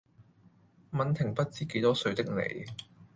吻停不知幾多歲的你